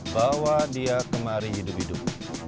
bawa dia kemari hidup hidup